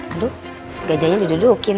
aduh gajahnya didudukin